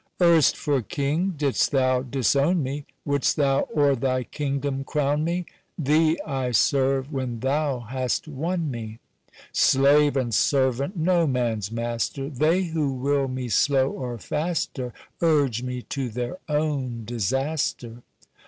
"Erst for king didst thou disown me, Wouldst thou o'er thy kingdom crown me? Thee I serve when thou hast won me. "Slave and servant, no man's master, They who will me slow or faster Urge me to their own disaster.